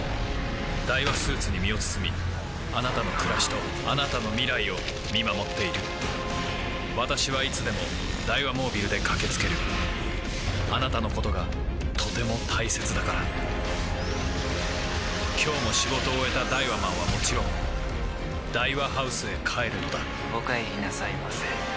ダイワスーツに身を包みあなたの暮らしとあなたの未来を見守っている私はいつでもダイワモービルで駆け付けるあなたのことがとても大切だから今日も仕事を終えたダイワマンはもちろんダイワハウスへ帰るのだお帰りなさいませ。